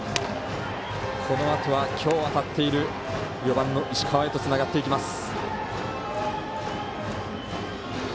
このあとは今日当たっている４番の石川へとつながっていきます。